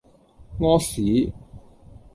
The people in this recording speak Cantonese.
屙屎